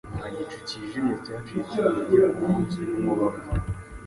Nka gicu cyijimye cyacitse intege kumunsi winkuba mbi.